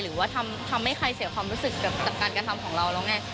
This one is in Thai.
หรือว่าทำให้ใครเสียความรู้สึกกับการกระทำของเราแล้วไง